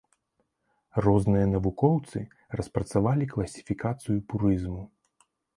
Розныя навукоўцы распрацавалі класіфікацыю пурызму.